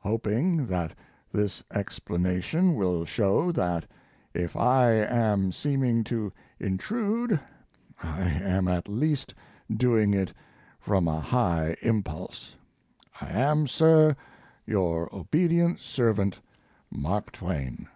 Hoping that this explanation will show that if I am seeming to intrude I am at least doing it from a high impulse, I am, sir, your obedient servant, MARK TWAIN.